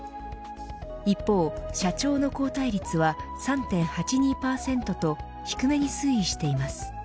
一方、社長の交代率は３．８２％と低めに推移しています。